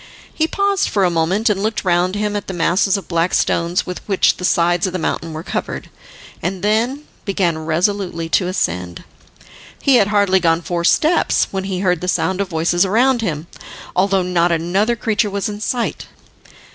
He paused for a moment and looked round him at the masses of black stones with which the sides of the mountain were covered, and then began resolutely to ascend. He had hardly gone four steps when he heard the sound of voices around him, although not another creature was in sight.